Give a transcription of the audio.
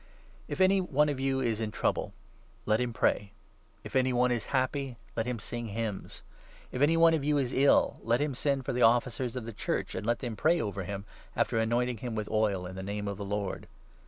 If any one of you is in trouble, let him pray; 13 The Power jf anv one is happy, let him sing hymns If 14 Prayer. anv one °f vou 1S '^> ^et him send for the Officers of the Church, and let them pray over him, after anointing him with oil in the name of the Lord.